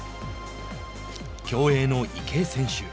競泳の池江選手。